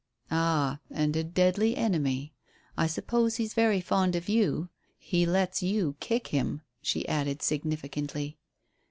"Ah, and a deadly enemy. I suppose he's very fond of you. He lets you kick him," she added significantly.